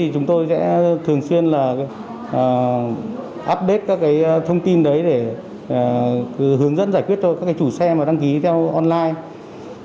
chúng tôi sẽ thường xuyên update các thông tin đấy để hướng dẫn giải quyết cho các chủ xe đăng ký theo online